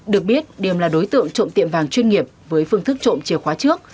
được biết điềm là đối tượng trộm tiệm vàng chuyên nghiệp với phương thức trộm chìa khóa trước